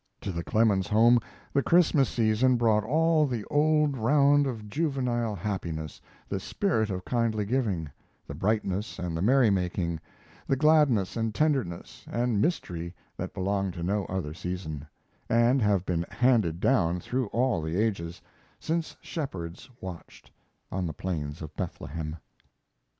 To the Clemens home the Christmas season brought all the old round of juvenile happiness the spirit of kindly giving, the brightness and the merrymaking, the gladness and tenderness and mystery that belong to no other season, and have been handed down through all the ages since shepherds watched on the plains of Bethlehem.